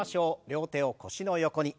両手を腰の横に。